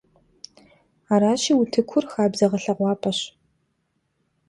Аращи, утыкур хабзэ гъэлъэгъуапӀэщ.